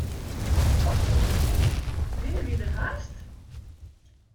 Binne wy der hast?